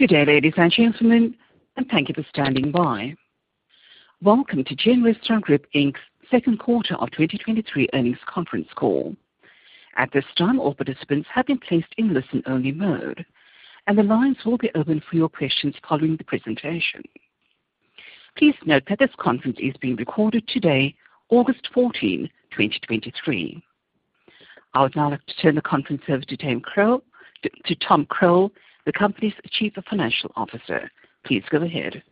Good day, ladies and gentlemen, and thank you for standing by. Welcome to GEN Restaurant Group, Inc.'s second quarter of 2023 earnings conference call. At this time, all participants have been placed in listen-only mode, and the lines will be open for your questions following the presentation. Please note that this conference is being recorded today, 14 August 2023. I would now like to turn the conference over to Tom Croal, the company's Chief Financial Officer. Please go ahead.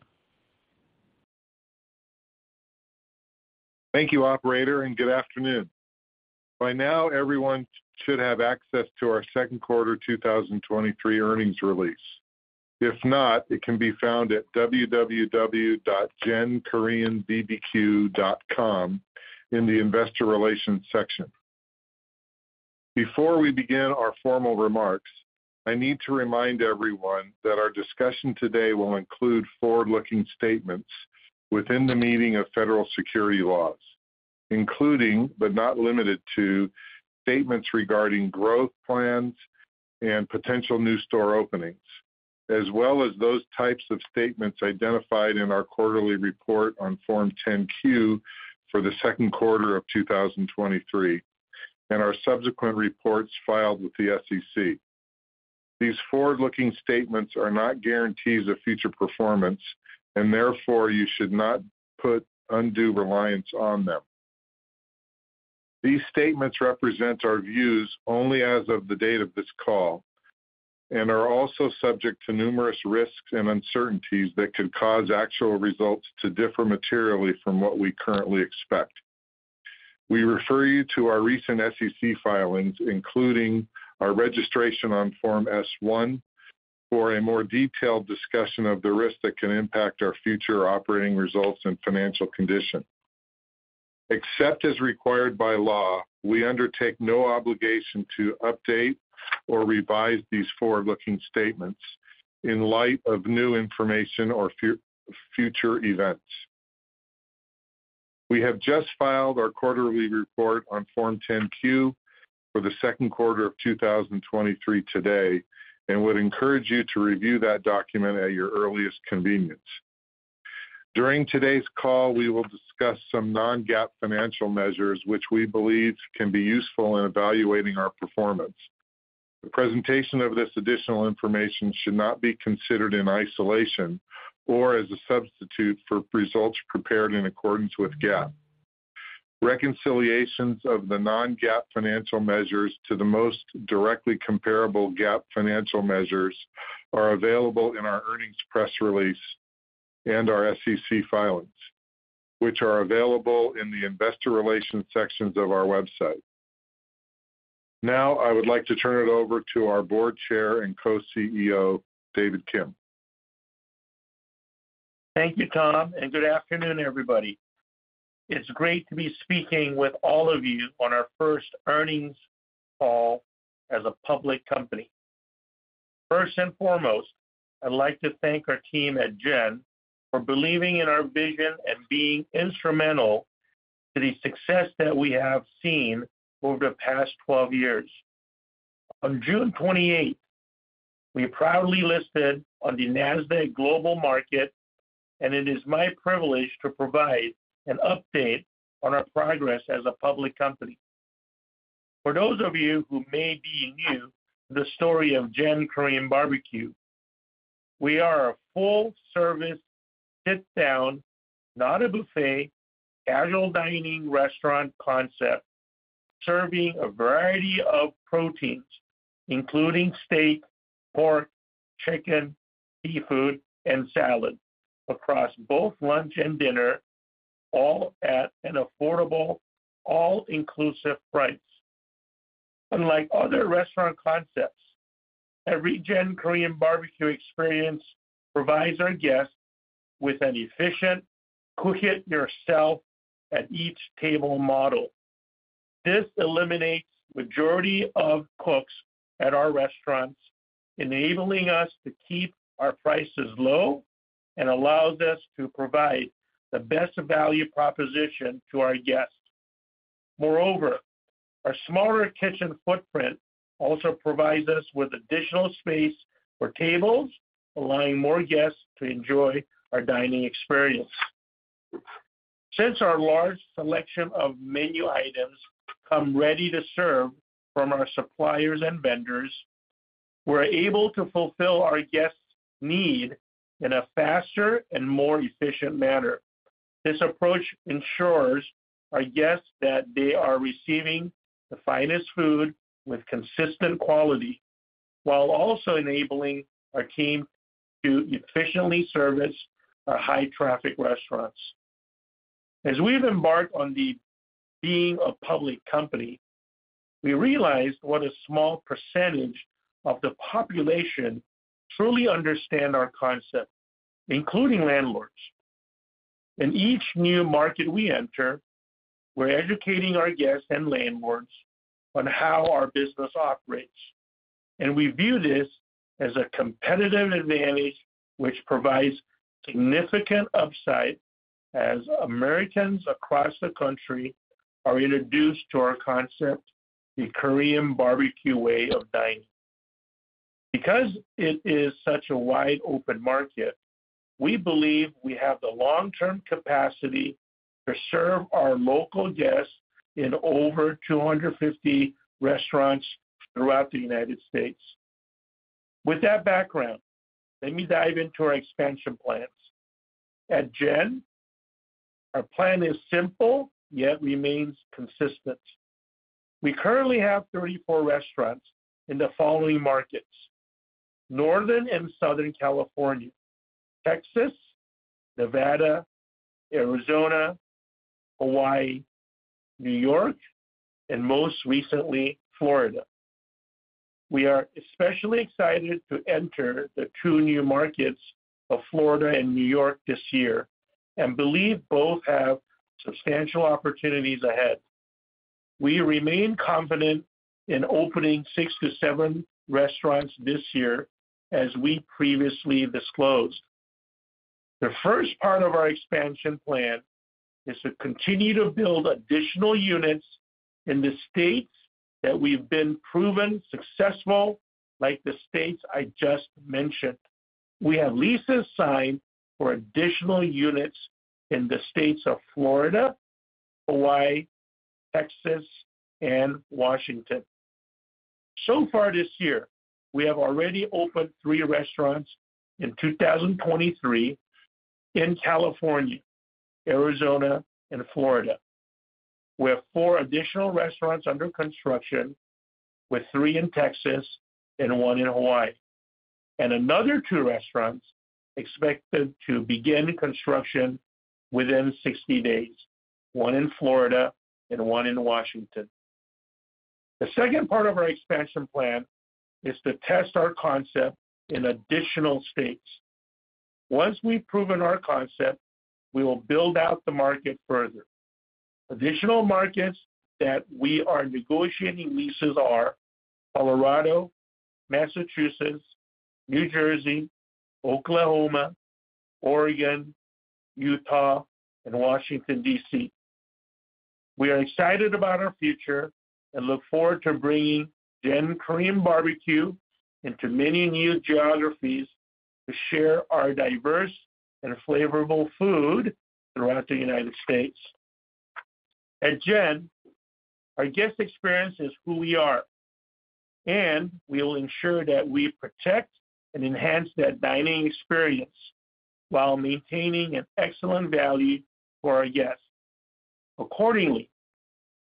Thank you, operator, good afternoon. By now, everyone should have access to our second quarter 2023 earnings release. If not, it can be found at www.genkoreanbbq.com in the Investor Relations section. Before we begin our formal remarks, I need to remind everyone that our discussion today will include forward-looking statements within the meaning of federal securities laws, including, but not limited to, statements regarding growth plans. And potential new store openings, as well as those types of statements identified in our quarterly report on Form 10-Q for the second quarter of 2023, our subsequent reports filed with the SEC. These forward-looking statements are not guarantees of future performance, and therefore you should not put undue reliance on them. These statements represent our views only as of the date of this call and are also subject to numerous risks and uncertainties that could cause actual results to differ materially from what we currently expect. We refer you to our recent SEC filings, including our registration on Form S-1, for a more detailed discussion of the risks that can impact our future operating results and financial condition. Except as required by law, we undertake no obligation to update or revise these forward-looking statements in light of new information or future events. We have just filed our quarterly report on Form 10-Q for the second quarter of 2023 today and would encourage you to review that document at your earliest convenience. During today's call, we will discuss some non-GAAP financial measures, which we believe can be useful in evaluating our performance. The presentation of this additional information should not be considered in isolation or as a substitute for results prepared in accordance with GAAP. Reconciliations of the non-GAAP financial measures to the most directly comparable GAAP financial measures are available in our earnings press release and our SEC filings, which are available in the Investor Relations sections of our website. Now, I would like to turn it over to our Board Chair and co-CEO, David Kim. Thank you, Tom, and good afternoon, everybody. It's great to be speaking with all of you on our first earnings call as a public company. First and foremost, I'd like to thank our team at GEN for believing in our vision and being instrumental to the success that we have seen over the past 12 years. On 28 June 2023, we proudly listed on the Nasdaq Global Market, and it is my privilege to provide an update on our progress as a public company. For those of you who may be new to the story of GEN Korean BBQ, we are a full-service, sit-down, not a buffet, casual dining restaurant concept, serving a variety of proteins, including steak, pork, chicken, seafood, and salad across both lunch and dinner, all at an affordable, all-inclusive price. Unlike other restaurant concepts, every GEN Korean BBQ experience provides our guests with an efficient cook-it-yourself-at-each-table model. This eliminates majority of cooks at our restaurants, enabling us to keep our prices low and allows us to provide the best value proposition to our guests. Moreover, our smaller kitchen footprint also provides us with additional space for tables, allowing more guests to enjoy our dining experience. Since our large selection of menu items come ready to serve from our suppliers and vendors, we're able to fulfill our guests' need in a faster and more efficient manner. This approach ensures our guests that they are receiving the finest food with consistent quality, while also enabling our team to efficiently service our high-traffic restaurants. As we've embarked on the being a public company, we realized what a small % of the population truly understand our concept, including landlords. In each new market we enter, we're educating our guests and landlords on how our business operates, and we view this as a competitive advantage which provides significant upside... as Americans across the country are introduced to our concept, the Korean barbecue way of dining. Because it is such a wide-open market, we believe we have the long-term capacity to serve our local guests in over 250 restaurants throughout the United States. With that background, let me dive into our expansion plans. At GEN, our plan is simple, yet remains consistent. We currently have 34 restaurants in the following markets: Northern and Southern California, Texas, Nevada, Arizona, Hawaii, New York, and most recently, Florida. We are especially excited to enter the two new markets of Florida and New York this year and believe both have substantial opportunities ahead. We remain confident in opening six to seven restaurants this year, as we previously disclosed. The first part of our expansion plan is to continue to build additional units in the states that we've been proven successful, like the states I just mentioned. We have leases signed for additional units in the states of Florida, Hawaii, Texas, and Washington. So far this year, we have already opened three restaurants in 2023 in California, Arizona, and Florida. We have four additional restaurants under construction, with three in Texas and one in Hawaii, and another two restaurants expected to begin construction within 60 days, one in Florida and one in Washington. The second part of our expansion plan is to test our concept in additional states. Once we've proven our concept, we will build out the market further. Additional markets that we are negotiating leases are Colorado, Massachusetts, New Jersey, Oklahoma, Oregon, Utah, and Washington, DC We are excited about our future and look forward to bringing GEN Korean BBQ into many new geographies to share our diverse and flavorful food throughout the United States. At GEN, our guest experience is who we are, and we will ensure that we protect and enhance that dining experience while maintaining an excellent value for our guests. Accordingly,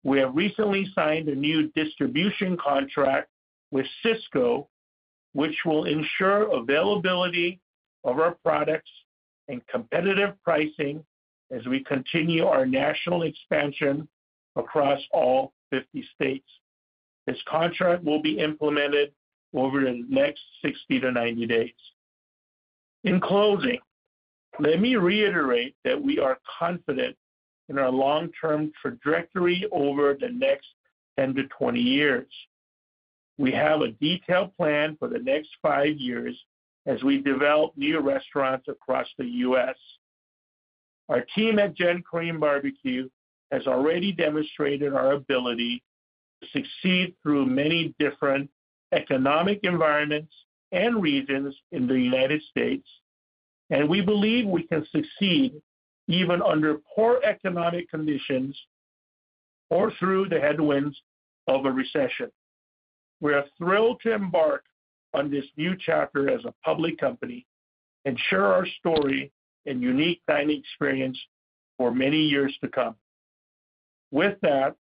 we have recently signed a new distribution contract with Sysco, which will ensure availability of our products and competitive pricing as we continue our national expansion across all 50 states. This contract will be implemented over the next 60 to 90 days. In closing, let me reiterate that we are confident in our long-term trajectory over the next 10 to 20 years. We have a detailed plan for the next five years as we develop new restaurants across the US. Our team at GEN Korean BBQ has already demonstrated our ability to succeed through many different economic environments and regions in the United States, and we believe we can succeed even under poor economic conditions or through the headwinds of a recession. We are thrilled to embark on this new chapter as a public company and share our story and unique dining experience for many years to come. With that,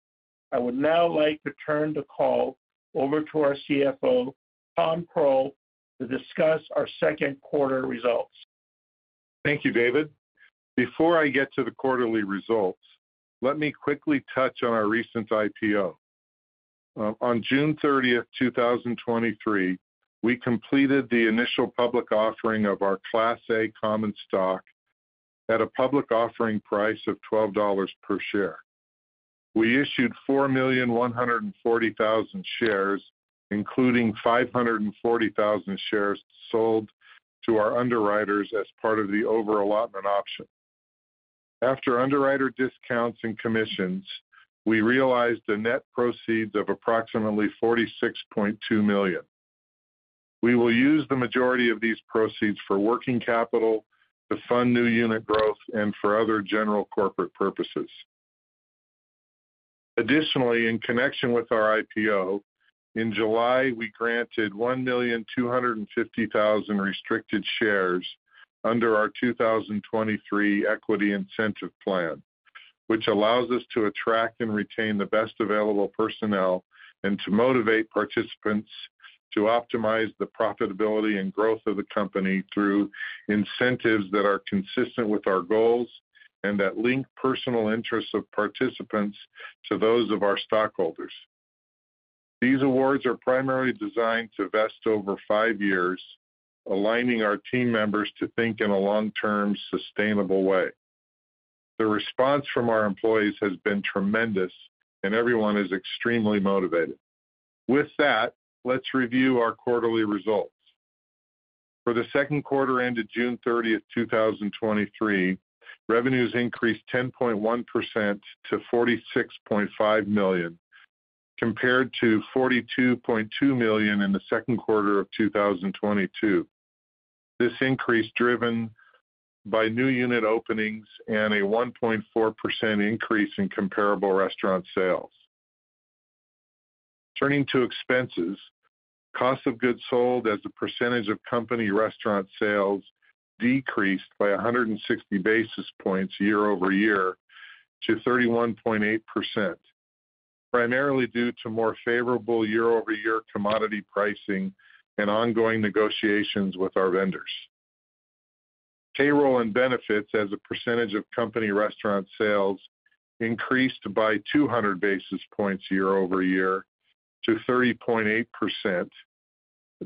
I would now like to turn the call over to our CFO, Tom Croal, to discuss our second quarter results. Thank you, David. Before I get to the quarterly results, let me quickly touch on our recent IPO. On 30 June 2023, we completed the initial public offering of our Class A common stock at a public offering price of $12 per share. We issued 4,140,000 shares, including 540,000 shares, sold to our underwriters as part of the over-allotment option. After underwriter discounts and commissions, we realized a net proceeds of approximately $46.2 million. We will use the majority of these proceeds for working capital, to fund new unit growth, and for other general corporate purposes. Additionally, in connection with our IPO, in July, we granted 1,250,000 restricted shares under our 2023 Equity Incentive Plan, which allows us to attract and retain the best available personnel, and to motivate participants to optimize the profitability and growth of the company through incentives that are consistent with our goals and that link personal interests of participants to those of our stockholders. These awards are primarily designed to vest over five years, aligning our team members to think in a long-term, sustainable way. The response from our employees has been tremendous, and everyone is extremely motivated. With that, let's review our quarterly results. For the second quarter ended 30 June 2023, revenues increased 10.1% to $46.5 million, compared to $42.2 million in the second quarter of 2022. This increase driven by new unit openings and a 1.4% increase in comparable restaurant sales. Turning to expenses, cost of goods sold as a percentage of company restaurant sales decreased by 160 basis points year-over-year to 31.8%, primarily due to more favorable year-over-year commodity pricing and ongoing negotiations with our vendors. Payroll and benefits as a percentage of company restaurant sales increased by 200 basis points year-over-year to 30.8%,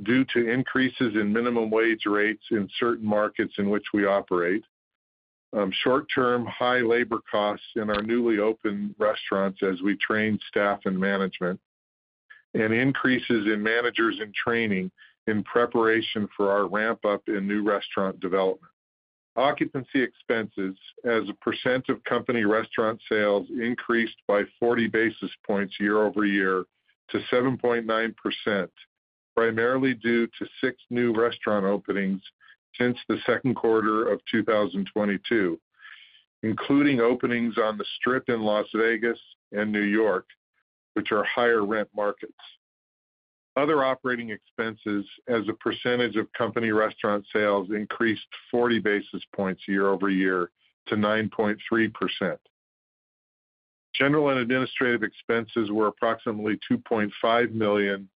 due to increases in minimum wage rates in certain markets in which we operate, short-term high labor costs in our newly opened restaurants as we train staff and management, and increases in managers in training in preparation for our ramp up in new restaurant development. Occupancy expenses as a percent of company restaurant sales increased by 40 basis points year over year to 7.9%, primarily due to six new restaurant openings since the second quarter of 2022, including openings on the Strip in Las Vegas and New York, which are higher rent markets. Other operating expenses as a percentage of company restaurant sales increased 40 basis points year over year to 9.3%. General and administrative expenses were approximately $2.5 million,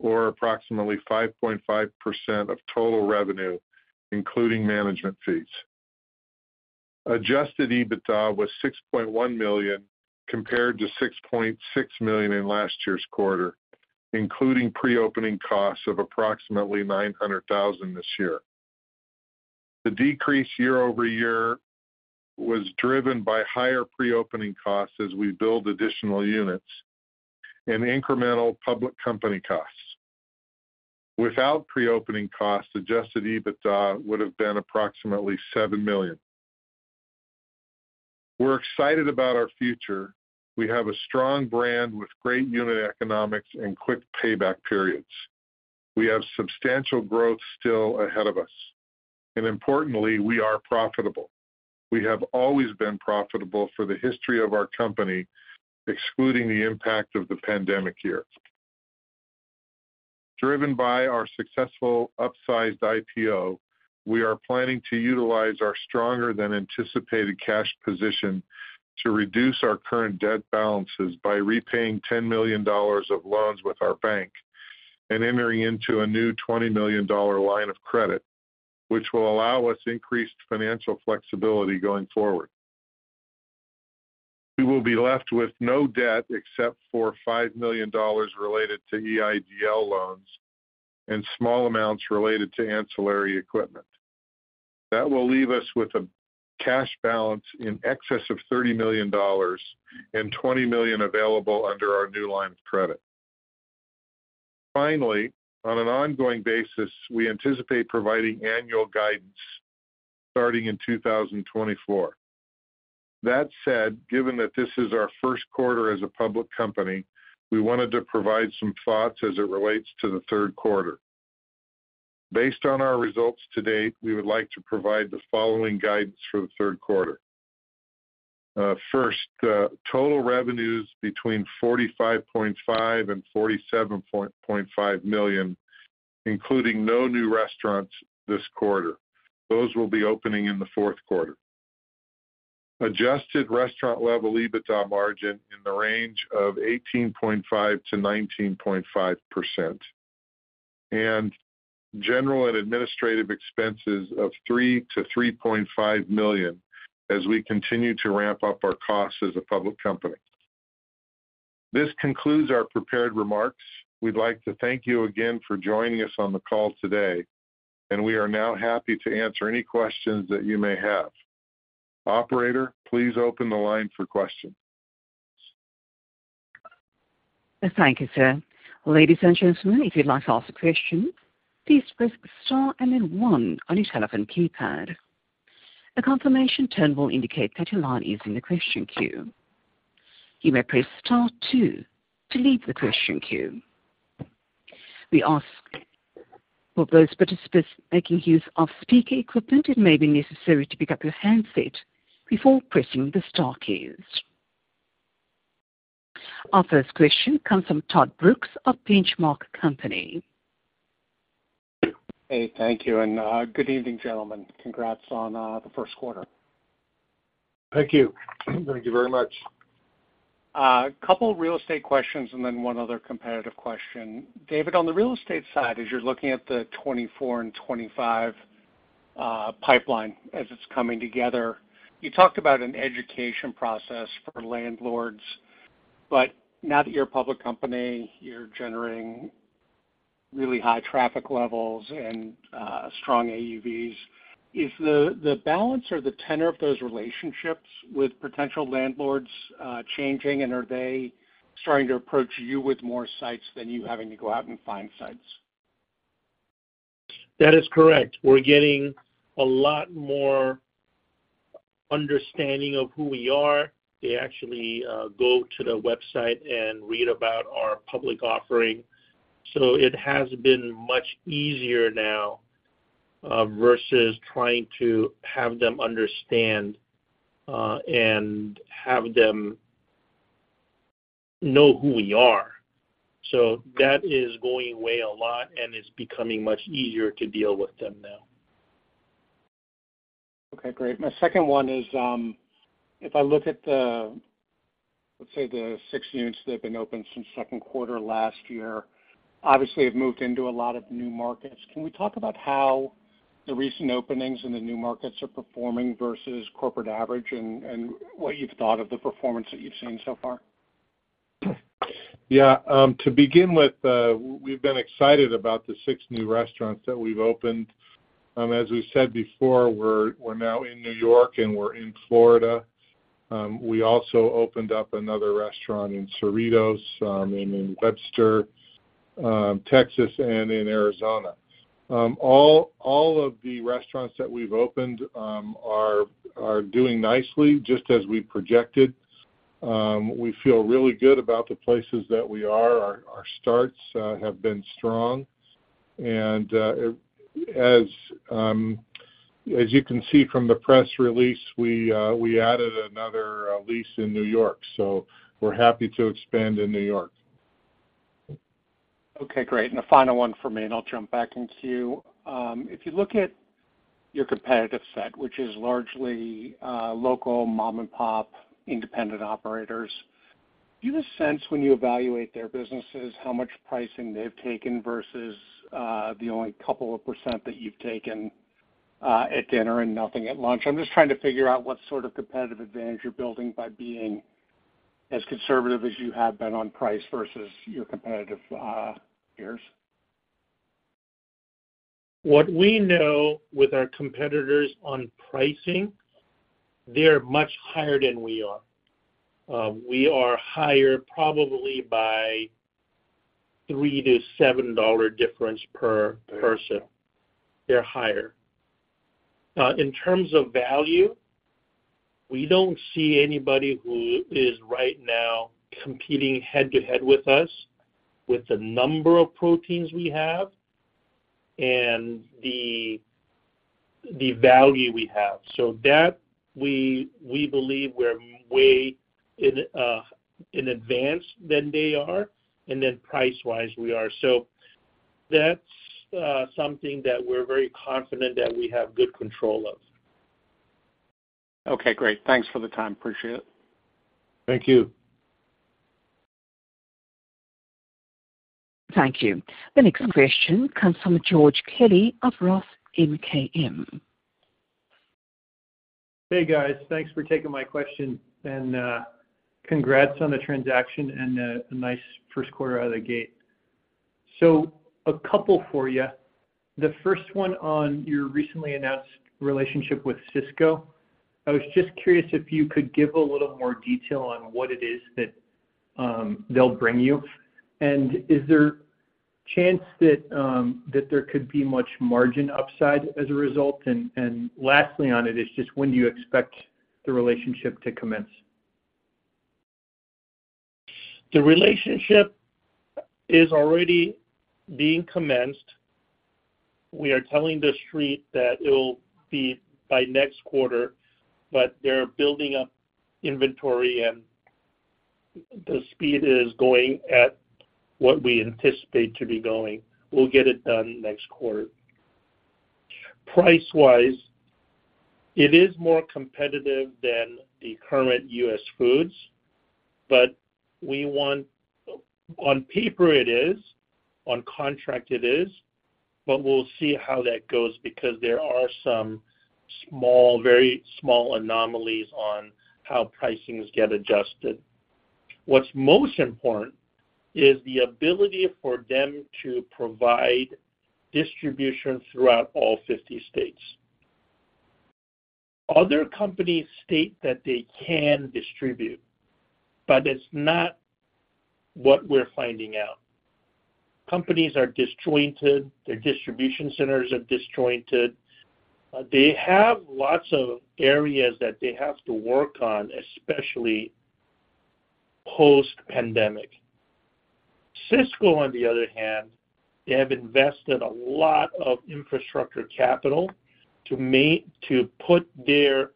or approximately 5.5% of total revenue, including management fees. Adjusted EBITDA was $6.1 million, compared to $6.6 million in last year's quarter, including pre-opening costs of approximately $900,000 this year. The decrease year over year was driven by higher pre-opening costs as we build additional units and incremental public company costs. Without pre-opening costs, Adjusted EBITDA would have been approximately $7 million. We're excited about our future. We have a strong brand with great unit economics and quick payback periods. We have substantial growth still ahead of us, and importantly, we are profitable. We have always been profitable for the history of our company, excluding the impact of the pandemic year. Driven by our successful upsized IPO, we are planning to utilize our stronger than anticipated cash position to reduce our current debt balances by repaying $10 million of loans with our bank and entering into a new $20 million line of credit, which will allow us increased financial flexibility going forward. We will be left with no debt except for $5 million related to EIDL loans and small amounts related to ancillary equipment. That will leave us with a cash balance in excess of $30 million and $20 million available under our new line of credit. Finally, on an ongoing basis, we anticipate providing annual guidance starting in 2024. That said, given that this is our first quarter as a public company, we wanted to provide some thoughts as it relates to the third quarter. Based on our results to date, we would like to provide the following guidance for the third quarter. First, total revenues between $45.5 million and $47.5 million, including no new restaurants this quarter. Those will be opening in the fourth quarter. Adjusted restaurant-level EBITDA margin in the range of 18.5% to 19.5%, and general and administrative expenses of $3 to 3.5 million as we continue to ramp up our costs as a public company. This concludes our prepared remarks. We'd like to thank you again for joining us on the call today, and we are now happy to answer any questions that you may have. Operator, please open the line for questions. Thank you, sir. Ladies and gentlemen, if you'd like to ask a question, please press star and then one on your telephone keypad. A confirmation tone will indicate that your line is in the question queue. You may press star two to leave the question queue. We ask for those participants making use of speaker equipment, it may be necessary to pick up your handset before pressing the star keys. Our first question comes from Todd Brooks of The Benchmark Company. Hey, thank you, and good evening, gentlemen. Congrats on the first quarter. Thank you. Thank you very much. A couple of real estate questions and then one other competitive question. David, on the real estate side, as you're looking at the 24 and 25 pipeline as it's coming together, you talked about an education process for landlords, but now that you're a public company, you're generating really high traffic levels and strong AUVs. Is the, the balance or the tenor of those relationships with potential landlords changing? Are they starting to approach you with more sites than you having to go out and find sites? That is correct. We're getting a lot more understanding of who we are. They actually go to the website and read about our public offering. It has been much easier now versus trying to have them understand and have them know who we are. That is going away a lot, and it's becoming much easier to deal with them now. Okay, great. My second one is, if I look at the, let's say, the six units that have been opened since second quarter last year, obviously, have moved into a lot of new markets. Can we talk about how the recent openings in the new markets are performing versus corporate average and what you've thought of the performance that you've seen so far? Yeah, to begin with, we've been excited about the six new restaurants that we've opened. As we said before, we're, we're now in New York, and we're in Florida. We also opened up another restaurant in Cerritos, and in Webster, Texas, and in Arizona. All, all of the restaurants that we've opened, are, are doing nicely, just as we projected. We feel really good about the places that we are. Our, our starts have been strong, and as, as you can see from the press release, we added another lease in New York, so we're happy to expand in New York. Okay, great. The final one for me, and I'll jump back in queue. If you look at your competitive set, which is largely, local mom-and-pop, independent operators, do you have a sense when you evaluate their businesses, how much pricing they've taken versus, the only couple of % that you've taken, at dinner and nothing at lunch? I'm just trying to figure out what sort of competitive advantage you're building by being as conservative as you have been on price versus your competitive, peers. What we know with our competitors on pricing, they're much higher than we are. We are higher probably by $3 to 7 difference per person. They're higher. In terms of value, we don't see anybody who is right now competing head-to-head with us, with the number of proteins we have and the, the value we have. That we, we believe we're way in advance than they are, and then pricewise, we are. That's something that we're very confident that we have good control of. Okay, great. Thanks for the time. Appreciate it. Thank you. Thank you. The next question comes from George Kelly of Roth MKM. Hey, guys. Thanks for taking my question, and congrats on the transaction and a, a nice first quarter out of the gate. A couple for you. The first one on your recently announced relationship with Sysco. I was just curious if you could give a little more detail on what it is that they'll bring you. Is there chance that there could be much margin upside as a result? Lastly on it is just when do you expect the relationship to commence? The relationship is already being commenced. We are telling the street that it'll be by next quarter, they're building up inventory, and the speed is going at what we anticipate to be going. We'll get it done next quarter. Price-wise, it is more competitive than the current US Foods. On paper, it is, on contract, it is, but we'll see how that goes because there are some small, very small anomalies on how pricings get adjusted. What's most important is the ability for them to provide distribution throughout all 50 states. Other companies state that they can distribute, but it's not what we're finding out. Companies are disjointed. Their distribution centers are disjointed. They have lots of areas that they have to work on, especially post-pandemic. Sysco, on the other hand, they have invested a lot of infrastructure capital to put their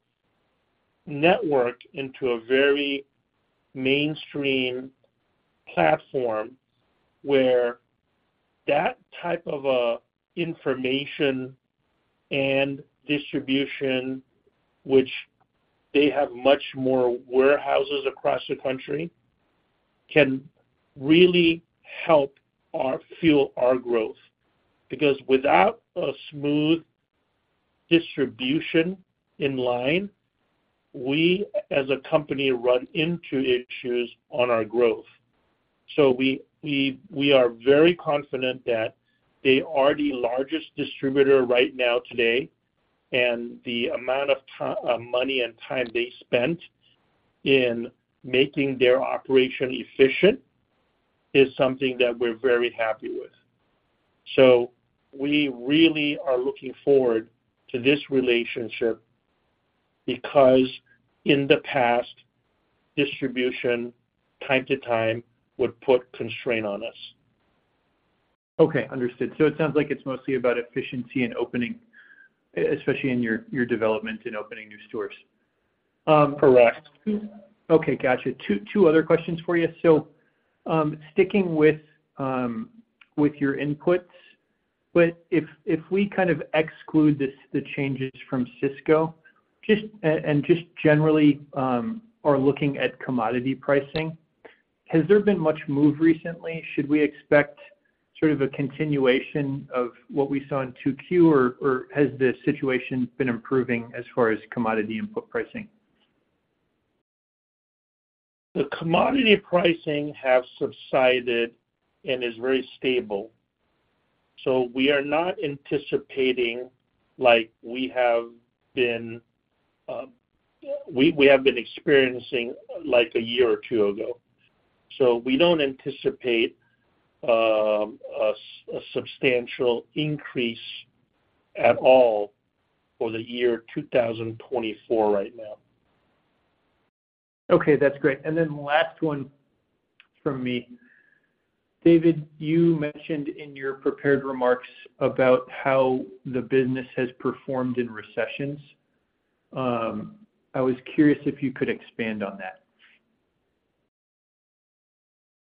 network into a very mainstream platform, where that type of information and distribution, which they have much more warehouses across the country, can really help our fuel, our growth. Because without a smooth distribution in line, we, as a company, run into issues on our growth. We, we, we are very confident that they are the largest distributor right now today, and the amount of money and time they spent in making their operation efficient is something that we're very happy with. We really are looking forward to this relationship, because in the past, distribution, time to time, would put constraint on us. Okay, understood. It sounds like it's mostly about efficiency and opening, especially in your, your development and opening new stores. Correct. Okay, got you. Two, two other questions for you. Sticking with, with your inputs, but if, if we kind of exclude the, the changes from Sysco, just, and, and just generally, are looking at commodity pricing, has there been much move recently? Should we expect sort of a continuation of what we saw in second quarter, or, or has the situation been improving as far as commodity input pricing? The commodity pricing has subsided and is very stable. We are not anticipating like we have been, we, we have been experiencing like a year or two ago. We don't anticipate a substantial increase at all for the year 2024 right now. Okay, that's great. The last one from me. David, you mentioned in your prepared remarks about how the business has performed in recessions. I was curious if you could expand on that.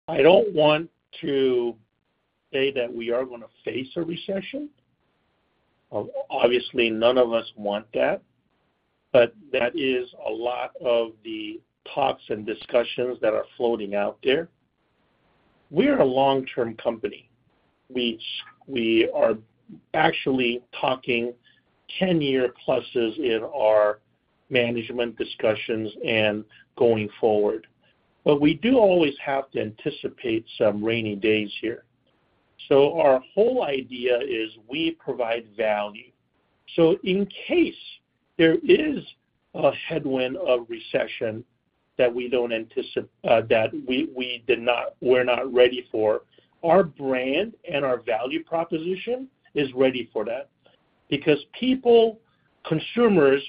I don't want to say that we are gonna face a recession. Obviously, none of us want that, but that is a lot of the talks and discussions that are floating out there. We are a long-term company. We, we are actually talking 10-year pluses in our management discussions and going forward. We do always have to anticipate some rainy days here. Our whole idea is we provide value. In case there is a headwind of recession that we don't that we, we did not-- we're not ready for, our brand and our value proposition is ready for that. People, consumers,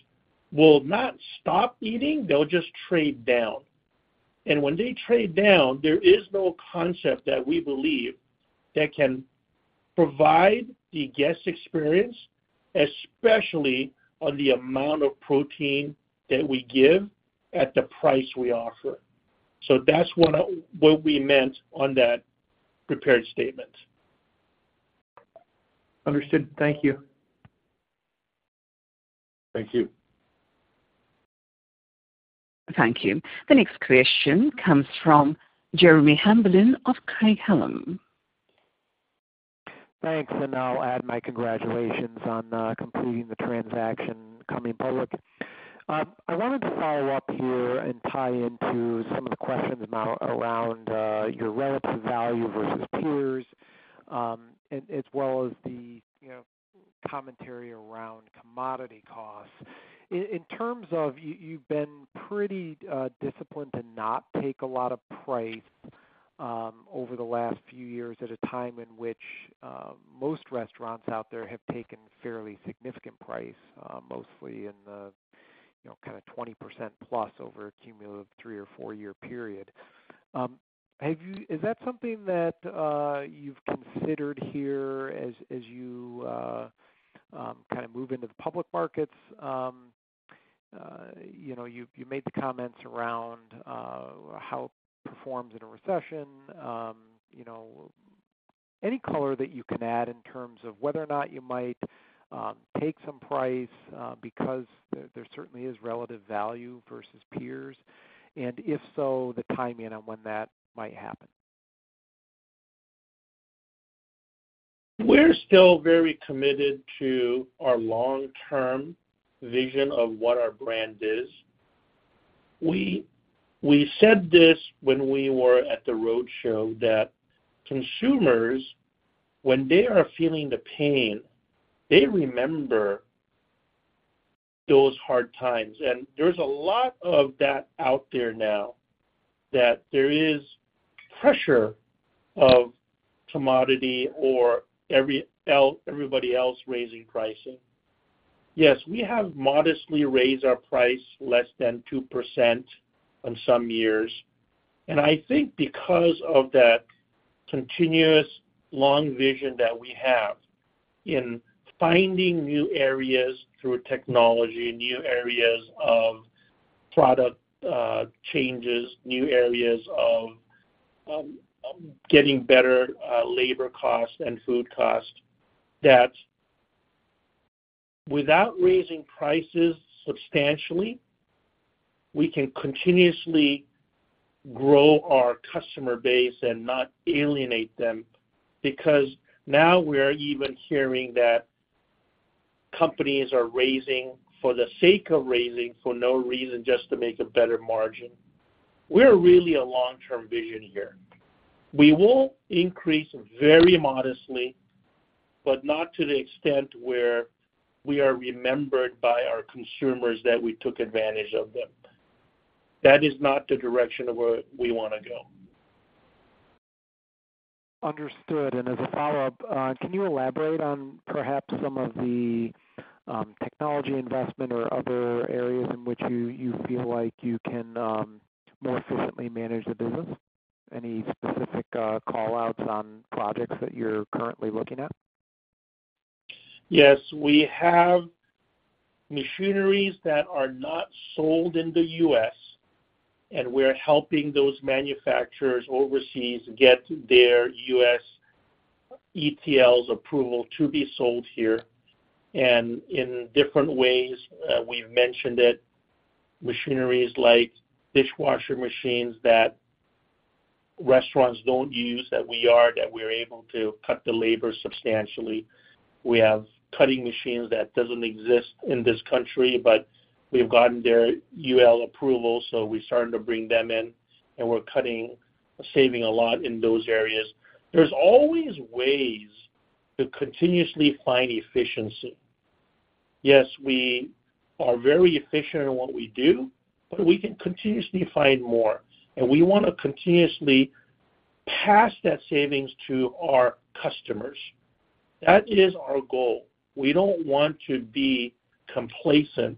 will not stop eating, they'll just trade down. When they trade down, there is no concept that we believe that can provide the guest experience, especially on the amount of protein that we give at the price we offer. So that's what, what we meant on that prepared statement. Understood. Thank you. Thank you. Thank you. The next question comes from Jeremy Hamblin of Craig-Hallum. Thanks. I'll add my congratulations on completing the transaction, coming public. I wanted to follow up here and tie into some of the questions about around your relative value versus peers, as, as well as the, you know, commentary around commodity costs. In, in terms of you, you've been pretty disciplined to not take a lot of price over the last few years, at a time in which most restaurants out there have taken fairly significant price, mostly in the, you know, kinda 20% plus over a cumulative three or four-year period. Have you... Is that something that you've considered here as you kind of move into the public markets? You know, you, you made the comments around how it performs in a recession, you know, any color that you can add in terms of whether or not you might take some price, because there, there certainly is relative value versus peers, and if so, the timing on when that might happen? We're still very committed to our long-term vision of what our brand is. We, we said this when we were at the roadshow, that consumers, when they are feeling the pain, they remember those hard times, and there's a lot of that out there now, that there is pressure of commodity or everybody else raising pricing. Yes, we have modestly raised our price less than 2% on some years. I think because of that continuous long vision that we have in finding new areas through technology, new areas of product changes, new areas of getting better labor costs and food costs, that without raising prices substantially, we can continuously grow our customer base and not alienate them. Now we are even hearing that companies are raising for the sake of raising for no reason, just to make a better margin. We are really a long-term vision here. We will increase very modestly... but not to the extent where we are remembered by our consumers that we took advantage of them. That is not the direction of where we wanna go. Understood. As a follow-up, can you elaborate on perhaps some of the technology investment or other areas in which you, you feel like you can more efficiently manage the business? Any specific call-outs on projects that you're currently looking at? Yes, we have machineries that are not sold in the US, and we're helping those manufacturers overseas get their US ETLs approval to be sold here. In different ways, we've mentioned it, machineries like dishwasher machines that restaurants don't use, that we are, that we're able to cut the labor substantially. We have cutting machines that doesn't exist in this country, but we've gotten their UL approval, so we're starting to bring them in, and we're cutting, saving a lot in those areas. There's always ways to continuously find efficiency. Yes, we are very efficient in what we do, but we can continuously find more, and we want to continuously pass that savings to our customers. That is our goal. We don't want to be complacent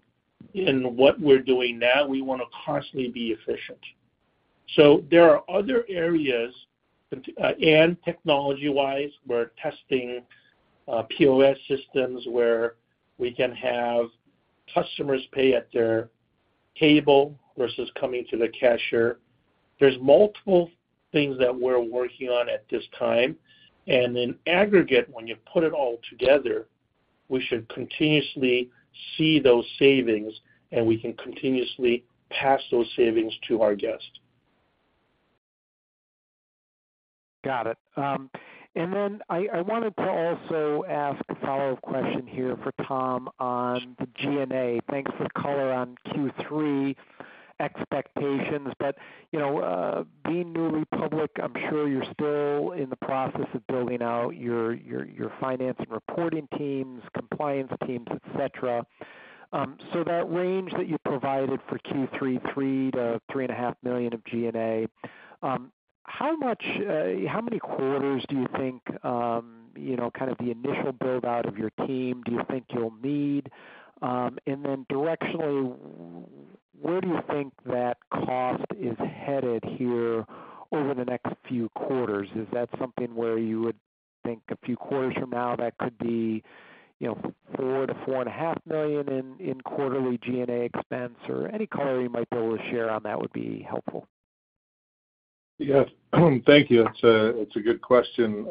in what we're doing now. We wanna constantly be efficient. There are other areas, and technology-wise, we're testing POS systems, where we can have customers pay at their table versus coming to the cashier. There's multiple things that we're working on at this time, and in aggregate, when you put it all together, we should continuously see those savings, and we can continuously pass those savings to our guests. Got it. I wanted to also ask a follow-up question here for Tom on the G&A. Thanks for the color on third quarter expectations, but, you know, being newly public, I'm sure you're still in the process of building out your, your, your finance and reporting teams, compliance teams, et cetera. That range that you provided for third quarter, $3 to 3.5 million of G&A, how much, how many quarters do you think, you know, kind of the initial build-out of your team, do you think you'll need? Directionally, where do you think that cost is headed here over the next few quarters? Is that something where you would think a few quarters from now, that could be, you know, $4 to 4.5 million in quarterly G&A expense? Any color you might be able to share on that would be helpful. Yes. Thank you. It's a, it's a good question.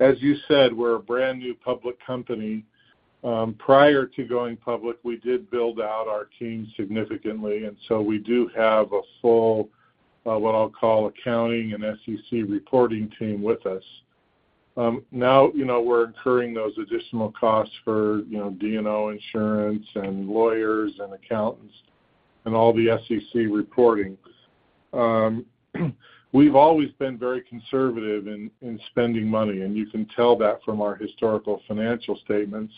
As you said, we're a brand new public company. Prior to going public, we did build out our team significantly, and so we do have a full, what I'll call accounting and SEC reporting team with us. Now, you know, we're incurring those additional costs for, you know, D&O insurance and lawyers and accountants and all the SEC reporting. We've always been very conservative in, in spending money, and you can tell that from our historical financial statements.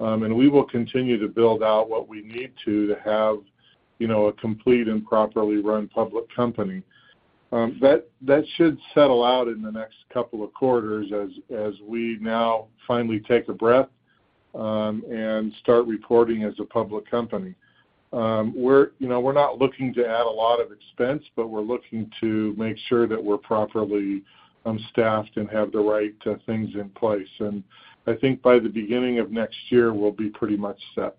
We will continue to build out what we need to, to have, you know, a complete and properly run public company. That, that should settle out in the next couple of quarters as, as we now finally take a breath, and start reporting as a public company. We're, you know, we're not looking to add a lot of expense, but we're looking to make sure that we're properly staffed and have the right things in place. I think by the beginning of next year, we'll be pretty much set.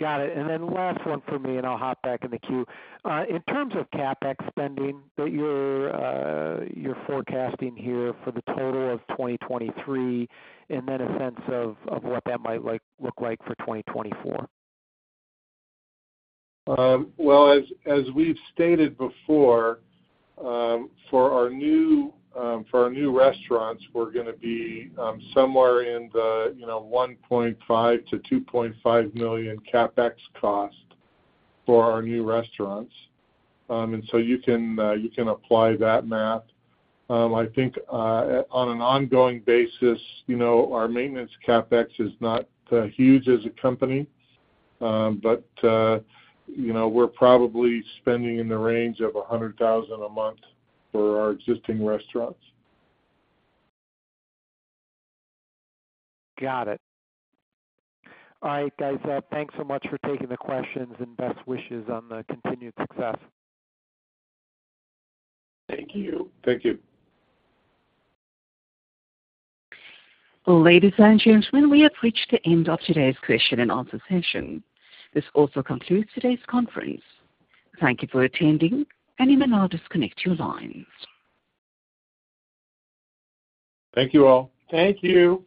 Got it. Last one for me, and I'll hop back in the queue. In terms of CapEx spending, that you're forecasting here for the total of 2023, and then a sense of what that might look like for 2024? Well, as, as we've stated before, for our new, for our new restaurants, we're gonna be somewhere in the, you know, $1.5 to 2.5 million CapEx cost for our new restaurants. So you can, you can apply that math. I think, on an ongoing basis, you know, our maintenance CapEx is not huge as a company, but, you know, we're probably spending in the range of $100,000 a month for our existing restaurants. Got it. All right, guys, thanks so much for taking the questions, and best wishes on the continued success. Thank you. Thank you. Ladies and gentlemen, we have reached the end of today's question and answer session. This also concludes today's conference. Thank you for attending. You may now disconnect your lines. Thank you all. Thank you!